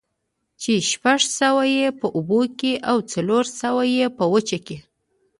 چې شپږ سوه ئې په اوبو كي او څلور سوه ئې په وچه كي